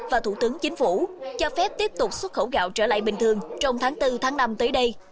và thủ tướng chính phủ cho phép tiếp tục xuất khẩu gạo trở lại bình thường trong tháng bốn tháng năm tới đây